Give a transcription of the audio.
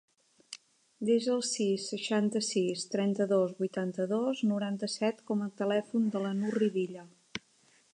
Desa el sis, seixanta-sis, trenta-dos, vuitanta-dos, noranta-set com a telèfon de la Nur Rivilla.